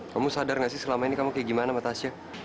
kamu sadar gak sih selama ini kamu kayak gimana mbak tasya